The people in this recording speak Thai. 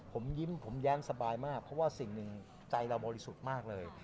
ผมยิ้มผมแย้มสบายมากเพราะว่าสิ่งหนึ่งใจเราบริสุทธิ์มากเลย